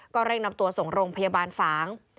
เร่งนำตัวส่งโรงพยาบาลฝาง